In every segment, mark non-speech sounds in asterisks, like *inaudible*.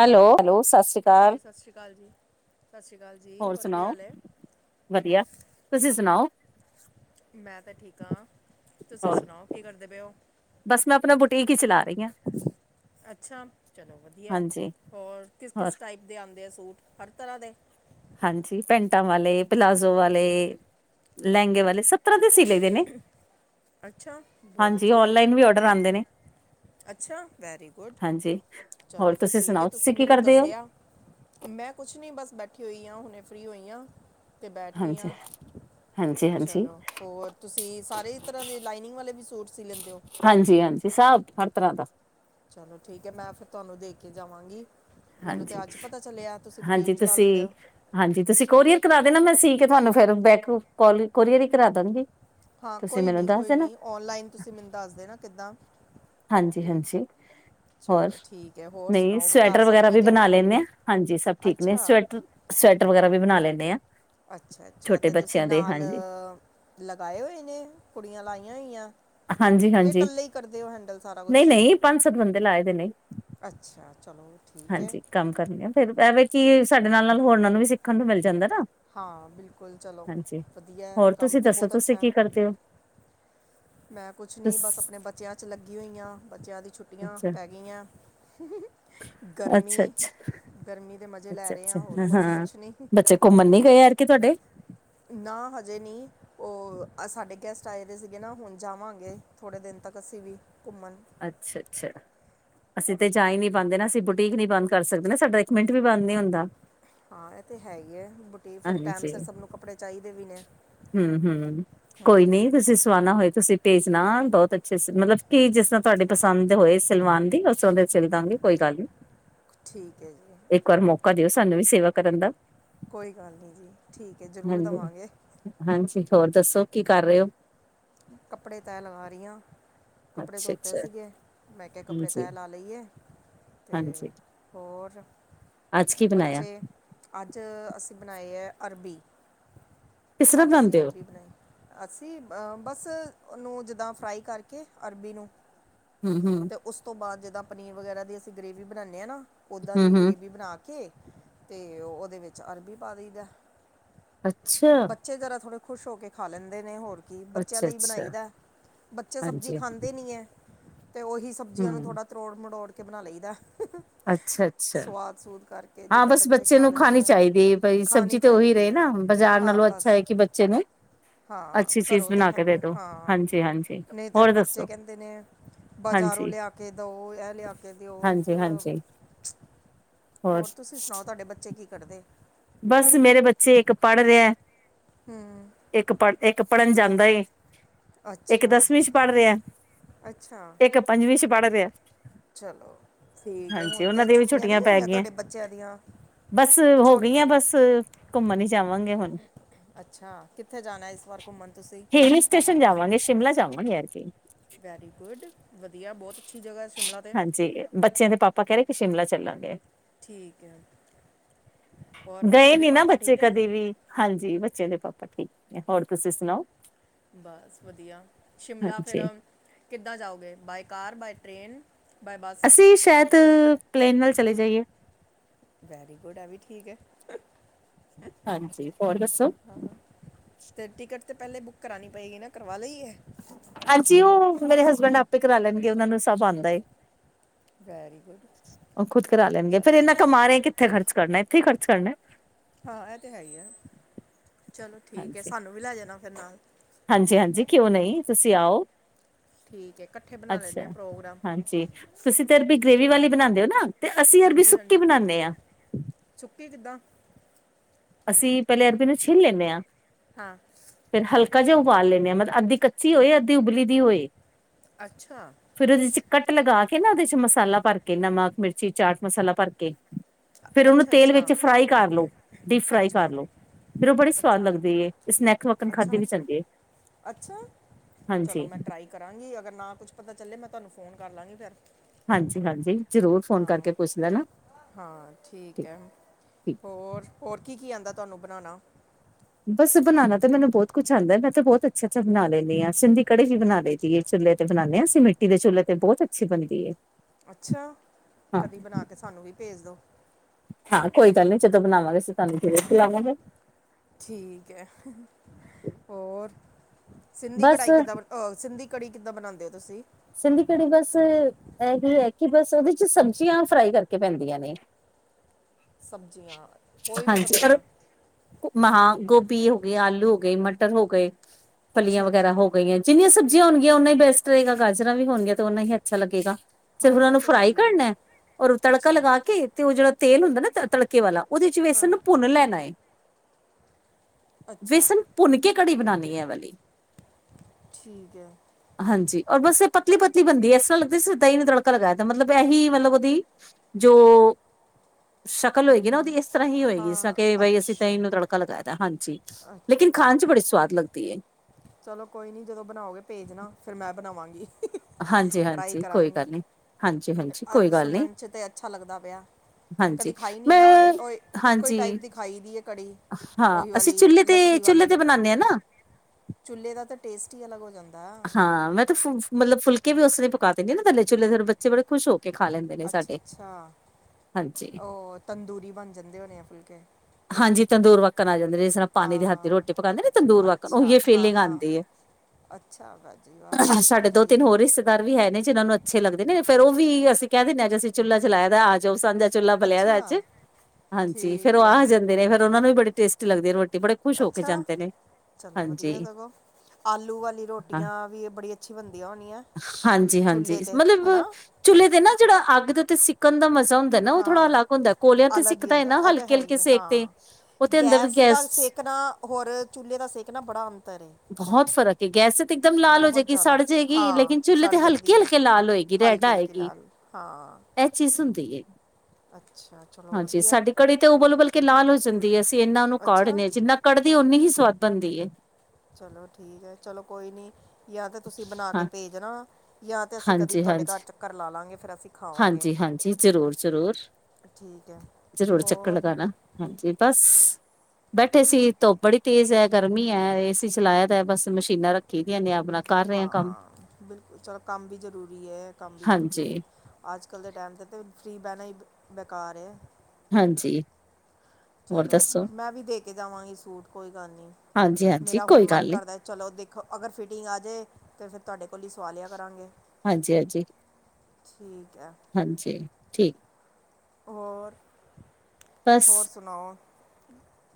Hello, hello ਸਾਸੀ ਹਾਂਜੀ ਕਾਲ ਸਤਿ ਸ਼੍ਰੀ ਅਕਾਲ ਜੀ ਸਤਿ ਸ਼੍ਰੀ ਜੀ ਹੋਰ ਕੀ ਹਾਲ ਏ ਵਧੀਆ ਤੁਸੀਂ ਸੁਣਾਓ ਮੈਂ ਤੇ ਠੀਕ ਆਂ, ਤੁਸੀ ਹੋਰ ਸੁਨਾਓ ਕੀ ਕਰਦੇ ਪਏ ਓ? ਬਸ ਮੈਂ ਅਪਨਾ ਬੁਟੀਕ ਈ ਚਲਾ ਰਈ ਆਂ। ਅੱਛਾ, ਚਲੋ ਵਦੀਆ, ਹੋਰ ਕਿਸ ਹੋਰ ਕਿਸ ਟਾਈਪ ਦੇ ਆਂਦੇ ਆ ਸੂਟ ਹਰ ਤਰ੍ਹਾਂ ਦੇ? ਹਾਂਜੀ, ਪੈਂਟਾਂ ਵਾਲੇ, ਪਲਾਜੋ਼ ਵਾਲੇ, ਲੈਂਗੇ ਵਾਲੇ ਸਬ ਤਰਾ ਦੇ ਸੀ ਲਈ ਦੇ ਨੇ। ਅੱਛਾ- ਬੋਤ ਹਾਂਜੀ ਅੱਛੀ ਗੱਲ ਐ, ਔਨਲਾਈਨ ਵੀ ਔਡਰ ਆਉਂਦੇ ਨੇ ਅੱਛਾ- ਵੈਰੀ ਗੁਡ ਹਾਂਜੀ ਚਲੋ ਹੋਰ ਫੇਰ ਤੁਸੀਂ ਠੀਕ ਏ ਸੁਣਾਓ ਤੁਸੀਂ ਕੀ ਮੈਨੂੰ ਕਰਦੇ ਹੋ ਦਸੇਆ, ਮੈਂ ਕੁਛ ਨੀ ਬਸ ਬੈਠੀ ਹੋਈ ਆਂ। ਹੁਨੇ ਫ੍ਰੀ ਹੋਈ ਆਂ। ਤੇ ਬੈਠ ਗਈ ਹਾਂਜੀ ਆਂ, ਹਾਂਜੀ ਹਾਂਜੀ ਚਲੋ ਹੋਰ ਤੁਸੀਂ ਸਾਰੇ ਦੇ ਲਾਈਨੀਂਗ ਵਾਲੇ ਵੀ ਸੂਟ ਸੀ ਲੈਂਦੇ ਹੋ ਹਾਂਜੀ, ਹਾਂਜੀ ਸਬ ਹਰ ਤਰ੍ਹਾਂ ਦਾ। ਚਲੋ ਠੀਕ ਐ, ਮੈਂ ਫਿਰ ਤੁਆਨੂੰ ਦੇਕੇ ਜਾਵਾਂਗੀ। ਮੈਨੂੰ ਤੇ ਹਾਂਜੀ, ਅੱਜ ਪਤਾ ਚੱਲਿਆ ਤੁਸੀਂ ਬੁਟੀਕ ਹਾਂਜੀ ਚਲਾ ਲੈਂਦੇ ਤੁਸੀਂ, ਹੋ ਹਾਂਜੀ ਤੁਸੀਂ ਕੋਰੀਅ ਕਰਾ ਦੇਨਾ ਮੈਂ ਸੀ ਕੇ ਤੂਹਾਨੂੰ ਫੇਰ, ਬੈਕ ਕੋਲ ਕੋਰੀਅਰ ਈ ਕਰਾ ਦਾਂਗੀ। ਹਾਂ, ਤੁਸੀਂ ਕੋਈ ਮੈਨੂੰ ਨੀ, ਦੱਸ ਕੋਈ ਦੇਣਾ ਨੀ, ਓਨਲਾਈਨ ਤੁਸੀਂ ਮੈਨੂੰ ਦੱਸ ਦੇਨਾ ਕਿੱਦਾਂ ਹਾਂਜੀ ਹਾਂਜੀ। ਹੋਰ ਚਲੋ ਠੀਕ ਏ ਹੋਰ ਨਹੀਂ ਸੁਣਾਓ ਕ ਸਵੈਟਰ ਵਗੈਰਾ ਵੀ ਬਣਾ ਲੈਂਦੇ ਆ ਹਾਂਜੀ ਸਭ ਠੀਕ ਨੇ ਅੱਛਾ ਸਵੈਟਰ ਸਵੈ ਵਗੈਰਾ ਵੀ ਬਣਾ ਲੈਂਦੇ ਆਂ। ਅੱਛਾ -ਅੱਛਾ ਤੇ ਤੁਸੀਂ ਨਾਲ ਲਗਾਏ ਹੋਏ ਨੇ ਕੁੜੀਆਂ ਲਾਈਆਂ ਹੋਈਆਂ ਹਾਂਜੀ ਕਿ ਹਾਂਜੀ ਕੱਲੇ ਹੀ ਕਰਦੇ ਹੋ ਹੈਂਡਲ ਸਾਰਾ ਨਹੀਂ ਕੁਛ ਨਹੀਂ ਪੰਜ ਸੱਤ ਬੰਦੇ ਲਾਏ ਦੇ ਨੇ ਅੱਛਾ ਚਲੋ। ਠੀਕ ਹੈ ਹਾਂਜੀ ਕੰਮ ਕਰਦੀਆਂ ਫੇਰ ਕਿ ਸਾਡੇ ਨਾਲ ਨਾਲ ਹੋਰਨਾਂ ਨੂੰ ਵੀ ਸਿੱਖਣ ਨੂੰ ਮਿਲ ਜਾਂਦਾ। ਨਾ ਹਾਂ ਬਿਲਕੁਲ ਚਲੋ ਹਾਂਜੀ ਵਧੀਆ ਹੈ ਹੋਰ ਕੰਮ ਤੁਸੀਂ ਤੇ ਦੱਸੋ ਬਹੁਤ ਤੁਸੀਂ ਅੱਛਾ ਕੀ ਏ। ਕਰਦੇ ਹੋ ਮੈਂ ਕੁੱਛ ਨੀ ਤੁਸ ਬਸ ਆਪਣੇ ਬੱਚਿਆਂ 'ਚ ਲੱਗੀ ਹੋਈ ਹਾਂ। ਬੱਚਿਆਂ ਦੀ ਛੁੱਟੀਆਂ ਅੱਛਾ ਪੈ ਗਈਆਂ। ਅੱਛਾ ਗਰਮੀ ਅੱਛਾ ਗਰਮੀ ਦੇ ਮਜੇ ਲੈ ਅੱਛਾ ਰਹੇ ਆ ਹੋਰ ਅੱਛਾ ਕੁਤ ਹਾਂ ਕੁਛ ਨੀ। ਬੱਚੇ ਘੁੰਮਣ ਨੀ ਗਏ ਯਾਰ ਕਿ ਤੁਹਾਡੇ ਨਾ ਹਜੇ ਨਹੀਂ ਉਹ ਆ ਸਾਡੇ ਗੈਸਟ ਆਏ ਦੇ ਸੀਗੇ ਨਾ ਹੁਣ ਜਾਵਾਂਗੇ ਥੋੜੇ ਦਿਨ ਤੱਕ ਅਸੀਂ ਵੀ ਘੁੰਮਣ ਅੱਛਾ -ਅੱਛਾ। ਅਸੀਂ ਤੇ ਜਾ ਈ ਨੀ ਪਾਂਦੇ ਨਾ ਅਸੀਂ ਬੁਟੀਕ ਨੀ ਬੰਦ ਕਰ ਸਕਦੇ ਨਾ, ਸਾਡਾ ਇੱਕ ਮਿੰਟ ਵੀ ਬੰਦ ਨੀ ਹੁੰਦਾ। ਹਾਂ ਇਹ ਤੇ ਹੈ ਈ ਏ ਬੁਟੀਕ ਫਿਰ ਟਾਈਮ ਹਾਂਜੀ ਸਿਰ ਸਭ ਨੂੰ ਕੱਪੜੇ ਚਾਹੀਦੇ ਵੀ ਨੇ, ਹੂੰ-ਹੂੰ। ਹੂੰ। ਤੇਜ ਨਾ ਬਹੁਤ ਅੱਛੇ ਸੇ, ਮਤਲਬ ਤੇਜ ਸ ਤੁਹਾਡੇ ਪਸੰਦ ਹੋਏ ਸਲਵਾਨ ਦੀ ਬਸ ਉਦੇ ਸਿਲ ਦਾਂਗੇ ਕੋਈ ਗੱਲ ਨੀ। ਠੀਕ ਹੈ ਜੀ ਇੱਕ ਵਾਰ ਮੌਕਾ ਦਿਓ ਸਾਨੂੰ ਵੀ ਸੇਵਾ ਕਰਨ ਦਾ। ਕੋਈ ਗੱਲ ਨੀਂ ਜੀ ਠੀਕ ਹੈ, ਜ਼ਰੂਰ ਦੇਵਾਂਗੇ। ਹਾਂਜੀ-ਹਾਂਜੀ ਹੋਰ ਦੱਸੋ ਕੀ ਕਰ ਰਹੇ ਹੋ? ਕੱਪੜੇ ਤੈਅ ਲਗਾ ਰੀਂ ਆਂ ਕੱਪੜੇ ਧੋ- ਤੇ ਅੱਛਾ-ਅੱਛਾ ਸੀਗੇ ਮੈੰ ਕਿਆ ਕੱਪੜੇ ਤੈਅ ਲਾ ਲਈਏ। ਤੇ ਹਾਂਜੀ-ਹਾਂਜੀ ਅੱਜ ਕੀ ਬਣਾਇਆ ਹੋਰ-ਬੱਚੇ ਅੱਜ ਅਸੀਂ ਬਣਾਈ ਏ ਅਰਬੀ। ਕਿਸ ਤਰ੍ਹਾਂ ਅੱਜ ਅਸੀਂ ਬਣਾਉਂਦੇ ਹੋ? ਅਰਬੀ ਬਣਾਈ। ਅਸੀਂ ਅ ਬਸ ਓਨੂੰ ਜਿੱਦਾਂ ਫਰਾਈ ਕਰਕੇ ਅਰਬੀ ਨੂੰ ਹੂੰ-ਹੂੰ, ਤੇ ਉਸ ਤੋਂ ਬਾਅਦ ਜ ਜਿਦਾਂ ਪਨੀਰ ਵਗੈਰਾ ਦੀ ਅਸੀਂ ਗ੍ਰੇਵੀ ਬਣਾਣੇ ਏ ਨਾ। ਓਦਾਂ ਦੀ ਹੂੰ-ਹੂੰ ਗ੍ਰੇਵੀ ਬਣਾ - ਕੇ, ਤੇ ਉਹਦੇ ਵਿੱਚ ਅਰਬੀ ਪਾ ਦਈਦਾ। ਅੱਛਾ, ਬੱਚੇ ਜਰਾ ਥੋੜੇ ਖੁਸ਼ ਹੋ ਕੇ ਖਾ ਲੈਂਦੇ ਨੇ ਹੋਰ ਕੀ। ਬੱਚਿਆਂ ਲਈ ਅੱਛਾ-ਅੱਛਾ ਬਣਾਈ ਦਾ, ਬੱਚੇ ਸਬਜ਼ੀ ਹਾਂਜੀ ਖਾਂਦੇ ਨੀ ਏ। ਅਤੇ ਉਹੀ ਸਬਜ਼ੀਆਂ ਨੂੰ ਹੂੰ। ਥੋੜ੍ਹਾ ਤਰੋੜ-ਮੜੋੜ ਕੇ ਬਣਾ ਲਈਦਾ। ਅੱਛਾ-ਅੱਛਾ। ਸਵਾਦ ਸੂਦ ਕਰਕੇ ਹਾਂ ਜਿੱਦਾਂ ਬਸ ਬੱਚੇ ਖਾ ਨੂੰ ਲੈਂਦੇ ਖਾਣੀ ਨੇ ਚਾਹੀਦੀ ਏ ਬਈ। ਸਬਜ਼ੀ ਖਾਣੀ ਤਾਂ ਉਹੀ ਚਾਹੀਦੀ ਰਹੇ ਹੈ ਨਾ, ਬਾਜ਼ਾਰ ਹਾਂ ਨਾਲੋਂ ਅੱਛਾ ਬਸ ਹੈ ਕਿ ਬੱਚੇ ਨੇ ਹਾਂ ਘਰੋਂ ਤੇ ਖਾਧੀ ਏ। ਹਾਂ ਹਾਂਜੀ ਹਾਂਜੀ ਨਹੀਂ ਤਾਂ ਹੋਰ ਬੱਚੇ ਦੱਸੋ ਕਹਿੰਦੇ ਨੇ ਬਾਜ਼ਾਰੋਂ ਹਾਂਜੀ ਲਿਆ ਕੇ ਦਓ, ਇਹ ਲਿਆ ਕੇ ਦਿਓ। ਹਾਂਜੀ ਫਿਰ ਹਾਂਜੀ ਹੋਰ ਤੁਸੀਂ ਸੁਣਾਓ ਤੁਹਾਡੇ ਬੱਚੇ ਬੱਚੇ ਕੀ ਕੱਢਦੇ। ਬਸ ਮੇਰੇ ਬੱਚੇ ਇੱਕ ਪੜ੍ਹ ਰਿਹਾ। ਹੂੰ ਇੱਕ ਪੜ ਇੱਕ ਪੜ੍ਹਨ ਜਾਂਦਾ ਏ। ਇੱਕ ਅੱਛਾ ਦਸਵੀਂ ਚ ਪੜ੍ਹ ਰਿਹਾ, ਅੱਛਾ ਇੱਕ ਪੰਜਵੀਂ ਚ ਪੜ੍ਹ ਰਿਹਾ। ਚਲੋ ਠੀਕ ਹੈ ਹਾਂਜੀ, ਹੁਣ ਓਨਾ ਤਾਂ ਦੀਆਂ ਵੀ ਨਹੀਂ ਛੁੱਟੀਆਂ ਪੈ ਹੋਈਆਂ ਗੀਆਂ। ਤੁਹਾਡੇ ਬੱਚਿਆਂ ਦੀਆਂ ਬਸ ਹੋ ਛੋ ਗਈਆਂ ਬੱਸ ਕੁਮਣ ਹੀ ਜਾਵਾਂਗੇ ਹੁਣ। ਅੱਛਾ, ਕਿੱਥੇ ਜਾਣਾ ਇਸ ਵਾਰ ਕੁਮਣ ਤੁਸੀਂ? ਹਿਲ ਸਟੇਸ਼ਨ ਜਾਵਾਂਗੇ ਸ਼ਿਮਲਾ ਜਾਵਾ ਗੀ ਐਦਕੀ। ਵੈਰੀ ਗੁੱਡ ਵਧੀਆ ਬਹੁਤ ਅੱਛੀ ਜਗ੍ਹਾ ਸ਼ਿਮਲਾ 'ਤੇ ਹਾਂਜੀ ਬੱਚਿਆਂ ਦੇ ਪਾਪਾ ਕਹਿ ਰਹੇ ਸ਼ਿਮਲਾ ਚੱਲਾਂਗੇ। ਠੀਕ ਹੈ ਔਰ ਬੱਚੇ ਗਏ ਦੇ ਨੀ ਨਾ ਪਾਪਾ ਬੱਚੇ ਠੀਕ ਹੈ ਕਦੇ ਵੀ ਹਾਂਜੀ ਬੱਚੇ ਦੇ ਪਾਪਾ ਠੀਕ ਨੇ, ਹੋਰ ਤੁਸੀਂ ਸੁਣਾਓ? ਬਸ ਵਧੀਆ ਸ਼ਿਮਲਾ ਫਿਰ ਹਾਂਜੀ ਕਿੱਦਾਂ ਜਾਓਗੇ ਬਾਏ ਕਾਰ ਬਾਏ ਟਰੇਨ? ਅਸੀਂ ਸ਼ਾਇਦ ਪਲੇਨ ਵੱਲ ਚਲੇ ਜਾਈਏ। ਵੈਰੀ ਗੁਡ ਆ ਵੀ ਠੀਕ ਹੈ, ਹਾਂਜੀ ਹੋਰ ਦੱਸੋ ਤੇ ਟਿਕਟ ਤੇ ਪਹਿਲੇ ਬੁੱਕ ਕਰਾਣੀ ਪਏਗੀ ਨਾ ਕਰਵਾ ਲਈ ਹੈ। ਹਾਂਜੀ ਉਹ ਮੇਰੇ ਹਸਬੈਂਡ ਆਪੇ ਕਰਾ ਲੈਣਗੇ, ਉਹਨਾ ਨੂੰ ਸਭ ਆਂਦਾ। ਵੈਰੀ ਗੁੱਡ ਉਹ ਖੁਦ ਕਰਾ ਲੈਣਗੇ, ਫੇਰ ਚਲੋ ਇਨਾ ਕਮਾ ਰਹੇ ਕਿੱਥੇ ਖਰਚ ਕਰਨਾ ਇੱਥੇ ਹੀ ਖਰਚ ਕਰਨਾ ਹਾਂ ਇਹ ਤੇ ਹੈ ਹੀ ਆ। ਚਲੋ ਠੀਕ ਏ ਸਾਨੂੰ ਵੀ ਲੈ ਜਾਣਾ। ਹੇਨਾ? ਹਾਂਜੀ-ਹਾਂਜੀ ਕਿਉਂ ਨਹੀਂ, ਤੁਸੀਂ ਆਓ, ਠੀਕ ਹੈ ਇਕੱਠੇ ਬਣਾ ਲੈਂਦੇ ਆ ਅੱਛਾ ਪ੍ਰੋਗਰਾਮ ਹਾਂਜੀ ਤੁਸੀਂ ਤੇਰ ਵੀ ਗ੍ਰੇਵੀ ਵਾਲੇ ਬਣਾਉਂਦੇ ਹੋ ਨਾ? ਤੇ ਅਸੀਂ ਅਰਬੀ ਹਾਂਜੀ ਸੁੱਕੀ ਹਾਂਜੀ ਬਨਾਨੇ ਹਾਂ। ਸੁੱਕੀ ਕਿਦਾਂ ਅਸੀਂ ਪਹਿਲੇ ਅਰਬੀ ਨੂੰ ਛਿੱਲ ਲੈਂਣੇ ਆ। ਹਾਂ ਫੇਿਰ ਹਲਕਾ ਜਿਹਾ ਉਬਾਲ ਲੈਂਦੇ ਆਾਂ ਮਤਲਬ ਅੱਧੀ ਕੱਚੀ ਹੋਏ ਅੱਧੀ ਉਬਲੀ ਦੀ ਹੋਏ। ਅੱਛਾ ਫਿਰ ਐਦੇ ਚ ਕੱਟ ਲਗਾ ਕੇ ਨਾ ਉਹਦੇ ਚ ਮਸਾਲਾ ਭਰ ਕੇ ਨਮਕ ਮਿਰਚੀ ਚਾਟ ਮਸਾਲਾ ਭਰ ਕੇ ਫਿਰ ਔਹਨੂੰ ਅੱਛਾ ਤੇਲ ਅੱਛਾ ਵਿੱਚ ਫਰਾਈ ਕਰ ਲਉ ਅੱਛਾ -ਅੱਛਾ- ਏ ਸਨੈਕ ਵਕਨ ਖਾਧੀ ਅੱਛਾ ਵੀ ਜਾਂਦੀ ਏ -ਅੱਛਾ ਚਲੋ, ਹਾਂਜੀ। ਮੈਂ ਟਰਾਈ ਕਰਾਂਗੀ ਅਗਰ ਨਾ ਕੁਛ ਪਤਾ ਚੱਲੇ ਮੈਂ ਤੁਹਾਨੂ ਫੋਨ ਕਰ ਲਾਂਗੇ ਫਿਰ ਹਾਂਜੀ- ਹਾਂਜੀ। ਜ਼ਰੂਰ ਫੋਨ ਹਾਂ, ਕਰਕੇ ਪੁੱਛ ਲੈਣਾ ਹਾਂ ਠੀਕ ਹੈ। ਠੀਕ ਹੋਰ, ਹੋਰ ਕੀ ਕੀ ਆਂਦਾ ਤੁਆਨੂੰ ਬਣਾਣਾ। ਬਸ ਬਣਾਣਾ ਤਾਂ ਮੈਨੂੰ ਬੋਤ ਕੁਛ ਆਂਦਾ ਹੈ। ਮੈਂ ਤਾਂ ਬੋਤ ਅੱਛਾ -ਅੱਛਾ ਬਣਾ ਲੈਂਦੀ ਆ। ਸਿੰਧੀ ਕੜੀ ਵੀ ਬਣਾ ਲਈਦੀ ਚੁੱਲੇ ਤੇ ਬਣਾਂਦੇ ਹਾਂ ਅਸੀਂ ਮਿੱਟੀ ਦੇ ਚੁੱਲ੍ਹੇ ਤੇ ਬਹੁਤ ਅੱਛੀ ਬਣਦੀ ਏ,। ਅੱਛਾ, ਹਾਂ ਕਦੀ ਬਣਾ ਕੇ ਸਾਨੂੰ ਵੀ ਭੇਜ ਦੋ। ਹਾਂ, ਕੋਈ ਗੱਲ ਨੀ ਜਦੋਂ ਬਣਾਵਾਂਗੇ ਅਸੀ ਤਾਨੂਂ ਜਰੂਰ ਖਿਲਾਂਵਾਗੇਂ। ਠੀਕ ਹੈ, ਹੰਹ, ਹੋਰ। ਸਿੰਧੀ ਬਸ ਕਢਾਈ ਕਿੱਦਾਂ ਅ ਸਿੰਧੀ ਕੜੀ ਕਿੱਦਾਂ ਬਣਾਉਂਦੇ ਔ ਤੁਸੀਂ। ਸਿੰਧੀ ਕੜੀ ਬਸ ਇਹੀ ਹੈ ਕਿ ਬਸ ਔਹਦੇ ਚ ਸਬਜ਼ੀਆਂ ਫਰਾਈ ਕਰਕੇ ਪੈਂਦੀਆਂ ਨੇ। ਸਬਜ਼ੀਆਂ ਕੋਈ ਵੀ ਹਾਂਜੀ, ਪਰ ਸਬਜ਼ੀਆਂ ਔ, ਹਾਂ ਗੋਭੀ ਹੋ ਗਏ, ਆਲੂ ਹੋ ਗਏ, ਮ ਟਰਨਜ ਹੋ ਗਏ। ਫਲੀਆਂ ਅੱਛਾ ਵਗੈਰਾ ਅੱਛਾ ਹੋ ਗਈਆਂ, ਜਿੰਨੀਆਂ ਸਬਜ਼ੀਆਂ ਆਵਣ ਯਾ ਔਨਾ ਹੀ ਬੈਸਟ ਰਹੇਗਾ। ਗਾਜਰਾਂ ਵੀ ਹੋਣਗੀਆਂ ਤੇ ਉਹਨਾ ਹੀ ਅੱਛਾ ਲੱਗੇਗਾ। ਚੰਗਰਾ ਹਾਂ ਇਹ ਨੂੰ ਤਾਂ ਹੈ ਫਰਾਈ ਹੀ ਹੈ ਕਰਨਾ, ਔਰ ਤੜਕਾ ਅੱਛਾ ਲਗਾ ਕੇ ਤੇ ਔਹ ਜਿਹੜਾ ਤੇਲ ਹੁੰਦਾ ਨਾ ਤ-ਤੜਕੇ ਵਾਲਾ। ਉਹਦੇ ਵਿੱਚ ਵੇਸਣ ਹਾਂ ਨੂੰ ਭੁੰਨ ਲੈਣਾ ਏ। ਅੱਛਾ ਵੇਸਨ ਭੁੰਨ ਕੇ ਕੜੀ ਬਣਾਣੀ *unintelligible* ਵਾਲੀ। ਠੀਕ ਹੈ। ਔ ਵੈਸੇ ਪਤਲੀ-ਪਤਲੀ ਬਣਦੀ ਏ। ਇਸ ਲਗਦਾ ਸੀ ਦਈ ਨੂ ਤੜਕਾ ਲਗਾ ਦ ਮਤਲਬ ਇਹੀ ਮਤਲਬ ਉਹਦੀ ਜੋ ਸ਼ਕਲ ਹੂੰ ਹੋਏਗੀ ਨਾ ਉਹਦੀ ਹੂੰ ਇਸ ਤਰ੍ਹਾਂ ਹੀ ਹੋਏਗੀ, ਜਿਸਰਾ ਹਾਂ ਕੇ ਬਈ ਅਸੀਂ ਦਈ ਨੂੰ ਤੜਕਾ ਲਗਾਏਦਾ, ਹਾਂਜੀ। ਲੇਕਿਨ ਅੱਛਾ-ਅੱਛਾ, ਖਾਣ ਚ ਬੜੀ ਸਵਾਦ ਲੱਗਦੀ ਹੈ। ਚਲੋ ਕੋਈ ਨੀ, ਜਦੋਂ ਬਣਾਓਗੇ ਭੇਜ ਦੇਣਾ, ਫਿਰ ਮੈਂ ਬ ਬਣਾਵਾਂਗੀ। *unintelligible* ਟਰਾਈ ਹਾਂਜੀ-ਹਾਂਜੀ ਕਰਾਂ, ਕੋਈ ਗੱਲ ਨੀ, ਹਾਂਜੀ-ਹਾਂਜੀ ਅਵ ਕੋਈ ਗੱਲ ਨੀ, ਸੁਣਨ ਚ ਤੇ ਅੱਛਾ ਲੱਗਦਾ ਪਿਆ, ਕਦੇ ਹਾਂਜੀ ਖਾਈ ਨਈ ਨਾ, ਮੈਂ ਉਏ ਇੱਕੋ ਹੀ ਹਾਂਜੀ ਟਾਈਪ ਦੀ ਖਾਈ ਦੀ ਏ ਕੜੀ। ਹਾਂ ਅਸੀ *unintelligible* ਲੱਸੀ ਵਾਲੀ, ਚੁੇੱਲੇ ਦਾ ਤਾਂ ਟੇਸ ਟ ਈ *unintelligible* ਹਾਂ ਮੈਂ ਤਾਂ ਫ-ਫੂ ਮਤਲਬ ਫੁਲਕੇ ਵੀ ਉਸੱਰਾਂ ਈ ਪਕਾ ਦਿੰਦੀ ਨਾ ਥੱਲੇ ਚੁੱਲ੍ਹੇ ਤੇ ਬੱਚੇ ਬੜੇ ਖੁਸ਼ ਹੋ ਕੇ ਖਾ ਲੈਂਦੇ ਨੇ ਸਾਡੇ ਅੱਛਾ-ਅੱਛਾ, ਹਾਂਜੀ। ਓਹ ਤੰਦੂਰੀ ਬਣ ਜਾਂਦੇ ਹੋਣੇ ਆ ਫੁਲਕੇ। ਹਾਂਜੀ ਤੰਦੂਰ ਵਾੱਕਣ ਆ ਜਾ ਕਦੇ ਜਿਸ ਤਰ੍ਹਾਂ ਪਾਣੀ ਦੀ ਹੱਥ ਦੀ ਹਾਂ ਰੋਟੀ ਪਕਾਉਂਦੇ ਨੀ ਤੰਦੂਰ ਵੱਕਣ ਅੱਛਾ ਉਹੀਔ ਹਾਂ ਫੀਲਿੰਗ ਹਾਂ ਆਂਦੀ ਏ। ਅੱਛਾ ਵਾਹ ਜੀ ਵਾਹ ਸਾਡੇ ਦੋ ਤਿੰਨ ਠੀਕ ਹੋਰ ਹੈ ਰਿਸ਼ਤੇਦਾਰ ਵੀ ਹੈ ਨੇ ਜਿਹਨਾਂ ਨੂੰ ਅੱਛੇ ਲੱਗਦੇ ਨੇ ਫ਼ੇਰ ਉਹ ਵੀ ਅਸੀਂ ਕਹਿ ਦਿੰਣੇ ਹਾਂ, ਜੀ ਅਸੀਂ ਚੁੱਲ੍ਹਾ ਚਲਾਯਾ ਦਾ ਆ ਜਾਓ। ਸਾਂਜਾ ਚੁੱਲ੍ਹਾ ਬਲਿਆ ਵੇ ਅੱਛਾ ਅੱਜ ਹਾਂਜੀ ਫੇਰ ਠੀਕ ਓਹ ਹੈ ਆ ਜਾਂਦੇ ਨੇ, ਫਿਰ ਉਹਨਾ ਨੂੰ ਵੀ ਬੜੇ ਟੇਸ ਲੱਗਦੀ ਏ ਰੋ ਬੜੇ ਖੁਸ਼ ਹੋ ਕੇ ਅੱਛਾ ਜਾਂਦੇ ਨੇ ਚਲੋ ਵਧੀਆ ਹਾਂਜੀ। ਸਗੋਂ ਆਲੂ ਵਾਲੀ ਰੋਟੀਆਂ ਵੀ ਬੜੀ ਅੱਛੀ ਬਣਦੀਆਂ ਹੋਣੀਆਂ ਹਾਂਜੀ-ਹਾਂਜੀ ਚੁੱਲ੍ਹੇ ਤੇ ਮਤਲਬ ਹੈਨਾ ਚੁੱਲ੍ਹੇ ਦੇ ਨਾ ਜਿਹੜਾ ਅੱਗ ਤੇ ਸਿੱਕਣ ਦਾ ਮਜ ਹਾਂ ਅਲੱਗ ਹੀ ਹੈ ਹੁੰਦੈ ਨਾ ਇਹ ਤੈ ਹਲਕੇ ਹੈ ਹਲਕੇ ਹੀ ਐ ਸੇਕ ਤੇ ਹਾਂ ਉਹਦੇ ਅੰਦਰ ਵੀ ਗੈਸ ਦਾ ਸੇਕਨਾ ਹੋਰ ਚੁੱਲੇ ਦਾ ਸੇਕਣਾ ਬੜਾ ਅੰਤਰ ਏ ਬਹੁਤ ਫ਼ਰਕ ਗੈਸ ਤੇ ਇਕਦਮ ਲਾਲ ਹੋ ਜੇਗੀ ਸੜ ਜੇਗੀ ਲੇਕਿਨ, ਹਾਂ ਚੁੱਲ੍ਹੇ ਤੇ ਸੜ ਹਲਕੀ ਜਾਂਦੀ ਹੈ ਹਲਕੇ ਲਾਲ ਹੋਏਗੀ ਰੈਡ ਹਲਕੀ ਹਲਕੀ ਆਏਗੀ, ਲਾਲ ਹਾਂ ਐ ਚੀਸ ਹੁੰ ਅੱਛਾ *unintelligible* ਚਲੋ ਹਾਂਜੀ, ਵਧੀਆ ਸਾਡੀ ਕੜੀ ਤੇ ਉਬਲ ਉਬਲ ਕੇ ਲਾਲ ਹੋ ਜਾਂਦੀ ਏ, ਅਸੀਂ ਏਨਾ ਓਨੂੰ ਅੱਛਾ ਕਾੜਨੇ ਆ ਜਿੰਨਾ ਕੱੜਦੀ ਓਨੀ ਹੀ ਸ ਸਵਾਦ ਬਨਦੀ ਏ। ਚਲੋ ਠੀਕ ਐ। ਚਲੋ ਕੋਈ ਨੀ, ਯਾ ਤੇ ਤੁਸੀਂ ਬਨਾ ਕੇ ਹਾਂ ਭੇਜ ਦੇਨਾ ਹਾਂਜੀ, ਹਾਂਜੀ, ਲਾਂਗੇ ਫਿਰ ਅਸੀਂ ਖਾਵਾਂਗੇ ਹਾਂਜੀ, ਹਾਂਜੀ। ਜ਼ਰੂਰ, ਜ਼ਰੂਰ, ਠੀਕ ਹੈ ਜ਼ਰੂਰ ਚੱਕਰ ਹੋਰ ਲਗਾਨਾ ਹਾਂਜੀ ਬਸ। ਬੈਠੇ ਸੀ, ਧੋਪ ਬੜੀ ਤੇਜ਼ ਐ ਗਰਮੀ ਐ ਏਸੀ ਚਲਾਏਦਾ, ਬਸ ਮਸ਼ੀਨਾਂ ਰੱਖੀ ਦੀਆਂ ਨੇ ਆਪ ਹਾਂ, ਬਿਲਕੁੱਲ ਚਲ ਕੰਮ ਬੀ ਜਰੂਰੀ ਏ, ਕੰਮ ਬੀ ਹਾਂਜੀ ਜਰੂਰੀ ਏ, ਅੱਜਕਲ ਦੇ ਟਾਈਮ ਚ ਤੇ ਫ੍ਰੀ ਬੈਨਾ ਬ ਬੇਕਾਰ ਐ। ਹਾਂਜੀ। ਹੋਰ ਚਲੋ, ਦੱਸੋ ਮੈਂ ਵੀ ਦੇ ਕੇ ਜਾਵਾਂਗੀ ਸੂਟ ਕੋਈ ਗੱਲ ਨੀ, ਹਾਂਜੀ ਹਾਂਜੀ ਮੇਰਾ ਹੁਨ ਕੋਈ ਮਨ ਗੱਲ ਨੀ ਕਰਦੈ ਚਲੋ ਦੇਖੋ ਅਗਰ ਫਿਟਿੰਗ ਆ ਜੇ ਤੇ ਫਿਰ ਤੁਆਡੇ ਕੋਲੋ ਹੀ ਸਵਾ ਲੇਆ ਕਰਾਂਗੇ, ਹਾਂਜੀ ਹਾਂਜੀ ਠੀਕ ਐ। ਹਾਂਜੀ ਠੀਕ। ਹੋਰ ਬਸ ਹੋਰ ਸੁਨਾਓ?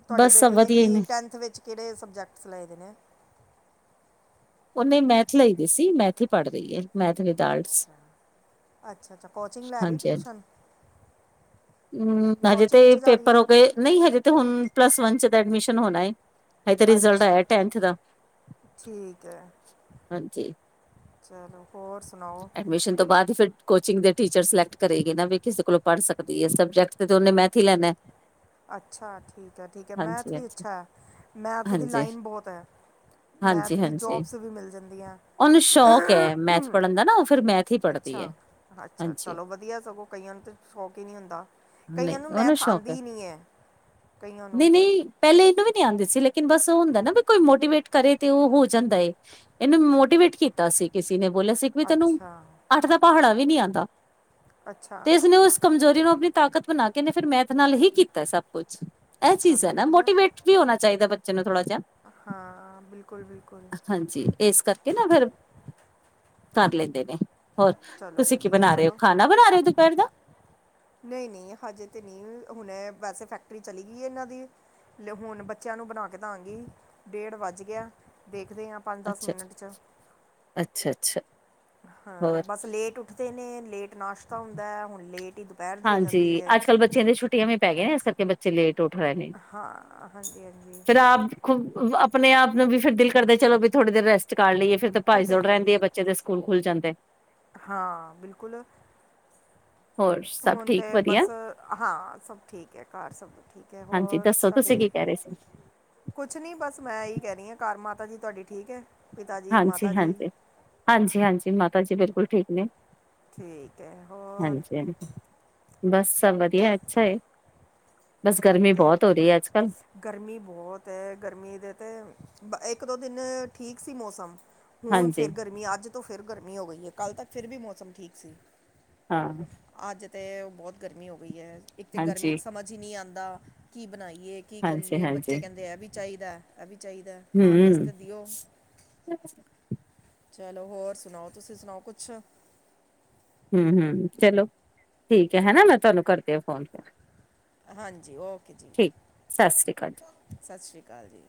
ਤੁਹਾਡੀ ਬਸ ਸਭ ਬੇਟੀ ਨੇ, ਵਧੀਆ ਹੀ ਕਿ ਟੈਂਥ ਵਿੱਚ ਕੇੜੇ ਸਬਜੈਕਟਸ ਲਏ ਦੇ ਨੇ? ਓਨੇ ਮੈਥ ਲਈ ਦੀ ਸੀ, ਮੈਥ ਹੀ ਪੜ ਰਈ ਐ। ਮੈਥ ਵਿਚ ਆਰਟਸ, ਅੱਛਾ ਅੱਛਾ ਅੱਛਾ ਕੋਚਿੰਗ ਲੈ ਰਹੀ ਹਾਂਜੀ-ਹਾਂਜੀ ਟਿਊਸ਼ਨ ਉੰ, ਹਜੇ ਤੇ ਕੋਚਿੰਗ 'ਚ ਜਾ ਰਹੀ ਪੇਪਰ ਹੈ ਹੋ ਗਏ। ਨਹੀਂ ਹਜੇ ਤੇ ਹੁਨ ਪਲੱਸ ਵਨ ਚ ਐਡਮਿਸ਼ਨ ਹੋਨਾ ਈ ਹਜੇ ਤੇ ਰਿਜ਼ਲਟ ਆਏਆ ਅੱਛਾ ਟੈਨਥ ਦਾ ਠੀਕ ਹੈ ਹਾਂਜੀ। ਚਲੋ, ਹੋਰ ਸੁਨਾਓ? ਐਡਮਿਸ਼ਨ ਤੋਂ ਬਾਅਦ ਫਿਰ ਕੋਚਿੰਗ ਦੇ ਟੀਚਰ ਸਿਲੈਕਟ ਕਰੇਗੀ ਨਾ, ਵੀ ਕਿਸੇ ਕੋਲੋਂ ਪੜ੍ਹ ਸਕਦੀ ਏ, ਸਬਜੈਕਟ ਤੇ ਓਨੇ ਮੈਥ ਹੀ ਲੈਨੇ। ਅੱਛਾ ਠੀਕ ਐ, ਠੀਕ ਐ, ਮੈਥ ਵੀ ਹਾਂਜੀ-ਹਾਂਜੀ, ਅੱਛਾ ਐ ਮੈਥ ਦੀ ਹਾਂਜੀ, ਲਾਈਨ ਬਹੋਤ ਹੈ ਮੈਥ ਦੀ ਜੋਬ ਓਨੂ ਸੋ਼ਕ ਐ, ਮੈਥ ਪੜਨ ਦਾ ਨਾ *unintelligible* ਹੈ ਅੱਛਾ, ਅੱਛਾ ਹਾਂਜੀ ਚਲੋ ਵਦੀਆ ਸਗੋਂ ਕਈਆਂ ਨੂੰ ਤੇ ਸੋ਼ਕ ਹੀ ਨਹੀਂ ਹੁੰਦਾ। ਕਈਆਂ ਨਹੀਂ ਨੂੰ ਉਹਨੂੰ ਮੈਥ ਸ਼ੌਕ ਹੈ ਆਂਦੀ ਈ ਨੀ ਐ, ਕਈਆਂ ਨੂੰ। ਨਈ ਆਂਦੀ ਸੀ, ਲੇਕਿਨ ਬਸ ਓਅ ਹੁੰਦਾ ਏ ਨਾ ਵੀ ਕੋਈ ਮੋਟੀਵੇਟ ਕਰੇ ਤੇ ਓ ਹੋ ਜਂਦਾ ਏ ਏਨੂੰ ਮੋਟੀਵੇਟ ਕੀਤਾ ਸੀ ਕਿਸੇ *unintelligible* ਬੋਲੇਆ ਸੀ ਵੀ ਤੈਨੂੰ ਅੱਛਾ ਅੱਠ ਦਾ ਪਹਾੜਾ ਵੀ ਨੀ ਆਂਦਾ ਅੱਛਾ ਤੇ ਇਸਨੇ ਉਸ ਕਮਜ਼ੋਰੀ ਨੂੰ ਆਪਨੀ ਤਾਕਤ ਬਨਾ ਕੇ ਫਿਰ ਮੈਥ ਨਾਲ ਹੀ ਕੀਤਾ ਏ ਸਭ ਕੁਛ। ਐ ਚੀਜ਼ ਚਲੋ ਐ ਨਾਂ, ਵਧੀਆ ਮੋਟੀਵੇਟ ਵੀ ਹੋਨਾ ਚਾਹੀਦਾ ਏ ਨਥੋੜਾ *unintelligible* ਹਾਂ, ਬਿਲਕੁਲ- ਬਿਲਕੁਲ। ਹਾਂਜੀ। ਏਸ ਕਰਕੇ ਨਾ ਫੇਰ ਕਰ ਲੈਦੇ ਨੇ। ਹੋਰ, ਚਲੋ ਤੁਸੀ ਕੀ ਵਧੀਆ ਬਨਾ ਰਏ ਓ? ਖਾਨਾ ਬਨਾ ਰਏ ਓ ਦੂਪੈਰ ਦਾ? ਨਈ- ਨਈ ਹਜੇ, ਤੇ ਨਈ ਹੁਨੇ ਵੈਸੇ ਫੈਕਟਰੀ ਚਲੀ ਗਈ ਏ ਏਨਾਂ ਦੀ। ਤੇ ਹੁਨ ਬੱਚਿਆਂ ਨੂੰ ਬਨਾ ਕੇ ਦਾਂਗੀ ਡੇੜ ਵੱਜ ਗਿਆ ਦੇਖਦੇ ਹਾਂ ਅੱਛਾ, ਮਿੰਟ 'ਚ ਅੱਛਾ, ਅੱਛਾ। ਹਾਂ, ਬਸ ਲੇਟ ਉੱਠਦੇ ਨੇ ਲੇਟ ਨਾਸ਼ਤਾ ਹੁੰਦਾ ਐ ਹੁਨ ਲੇਟ ਹੀ ਦੁਪਹਿਰ ਦੀ ਹੋ ਜਾਂਦੀ ਹਾਂਜੀ, ਹੈ ਅੱਜ- ਕੱਲ ਬੱਚਿਆਂ ਦੀ ਛੁੱਟੀਆਂ ਵੀ ਪੈ ਗਿਆਂ ਏ ਇਸ ਕਰ *unintelligible* ਉੱਠ ਰਏ ਨੇ, ਹਾਂ ਹਾਂਜੀ ਹਾਂਜੀ ਫਿਰ ਆਪੁ *unintelligible* ਅਪਣੇ ਆਪ ਨੂੰ ਵੀ ਫਿਰ ਦਿਲ ਕਰਦਾ ਚਲੋ ਵੀ ਥੋੜੀ ਦੇਰ ਰੈਸਟ ਚਕਾਲ੍ ਲਈਏ ਫਿਰ ਤਾ ਇਹ ਭਾਈ ਤਾਂ ਜੁੜ ਹੀ ਰਹਿਣਗੇ ਹੈ ਆ ਬੱਚੇ ਦੇ ਸਕੂਲ ਖੁੱਲ ਜਾਂਦੇ। ਹਾਂ ਬਿਲਕੁਲ ਹੋਰ ਸ ਹੁਣ ਤੇ ਬਸ ਹਾਂ ਸਭ ਠੀਕ ਹੈ। ਘਰ ਸਭ ਠੀਕ ਹੈ। ਹਾਂਜੀ ਹੋਰ ਦੱਸੋ ਤੁਸੀਂ ਤੁਹਾਡੀ, ਕੀ ਕਹਿ ਰਹੇ ਸੀ? ਕੁਛ ਨਹੀਂ ਬਸ ਮੈਂ ਇ ਕਹਿ ਰਹੀ ਹਾਂ ਘ ਮਾ ਮਰਜੀ ਤੁਹਾਡੀ। ਠੀਕ ਹੈ ਪਿਤਾ ਜੀ ਹਾਂਜੀ ਮਾਤਾ ਜੀ -ਹਾਂਜੀ- ਹਾਂਜੀ -ਹਾਂਜੀ ਮਾਤਾ ਜੀ ਬਿਲਕੁਲ ਠੀਕ ਨੇ, ਠੀਕ ਹੈ। ਹੋਰ, ਹਾਂਜੀ-ਹਾਂਜੀ - ਬਸ ਸਭ ਵਧੀਆ ਅੱਛਾ ਏ ਬਸ ਗਰਮੀ ਠੀਕ ਹੈ। ਬਹੁਤ ਹੋ ਰਹੀ ਅੱਜ-ਕੱਲ੍ਹ, ਗਰਮੀ ਬਹੁਤ ਹੈ। ਗਰਮੀ ਦੇ ਤੇ, ਬ ਇੱਕ ਦੋ ਦਿਨ ਠੀਕ ਸੀ ਮੌਸਮ, ਹੁਣ ਹਾਂਜੀ ਫੇਰ ਗਰਮੀ, ਅੱਜ ਤੋਂ ਫਿਰ ਗਰਮੀ ਹੋ ਗਈ ਏ, ਕੱਲ੍ਹ ਤੱਕ ਫਿਰ ਵੀ ਮੌਸਮ ਠੀਕ ਸੀ। ਹਾਂ। ਅੱਜ ਤੇ ਬੋਤ ਗਰਮੀ ਹੋ ਗਈ ਐ। ਇੱਕ ਤੇ ਗਰਮੀ ਹਾਂਜੀ, ਚ ਸਮਝ ਈ ਨੀ ਆ ਦਾ ਕੀ ਬਣਾਈ ਏ ਕੀ ਕਰੀਏ ਹਾਂਜੀ-ਹਾਂਜੀ। ਬੱਚੇ ਕਹਿੰਦੇ ਐ ਵੀ। ਚਾਹੀਦੈ। ਚਾਹੀਦੈ ਖਾਣ ਹੂੰ, ਵਾਸਤੇ ਦਿਓ। ਚਲੋ ਹੋਰ ਸੁਣਾਓ ਤੁਸੀਂ ਸੁਣਾਓ ਕੁਛ? ਹਮ-ਹਮ ਚਲੋ ਠੀਕ ਐ, ਹੈਣਾ ਮੈਂ ਤੁਹਾਨੂੰ ਕਰਦੀਆਂ ਫੋਨ ਫਿਰ। ਹਾਂਜੀ ਓਕੇ ਜੀ। ਠੀਕ ਸਤਿ ਸ਼੍ਰੀ ਅਕਾਲ ਸਾਸ ਸ੍ਰੀ ਕਾਲ ਜੀ।